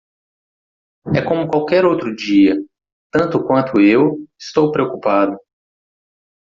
É como qualquer outro dia, tanto quanto eu estou preocupado.